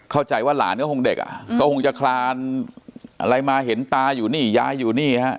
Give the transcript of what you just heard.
เข้าใจว่าหลานก็คงเด็กอ่ะก็คงจะคลานอะไรมาเห็นตาอยู่นี่ยายอยู่นี่ฮะ